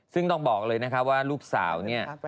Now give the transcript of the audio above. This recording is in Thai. ซึ่งต้องบอกเลยว่ารูปสาว